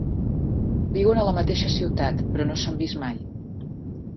Viuen a la mateixa ciutat però no s’han vist mai.